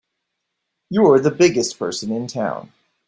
You're the biggest person in town!